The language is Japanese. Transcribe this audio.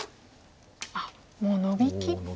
もうノビきって。